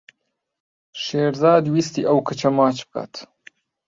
شێرزاد ویستی ئەو کچە ماچ بکات.